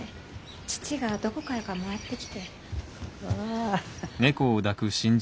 父がどこからかもらってきて。